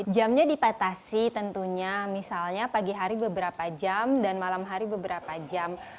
jamnya dipatasi tentunya misalnya pagi hari beberapa jam dan malam hari beberapa jam